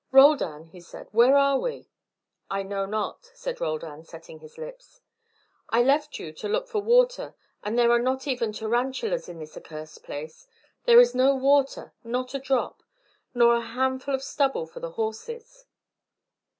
"Roldan," he said, "where are we?" "I know not," said Roldan, setting his lips. "I left you to look for water, and there are not even tarantulas in this accursed place. There is no water, not a drop. Nor a handful of stubble for the horses."